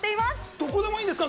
どこでもいいんですか。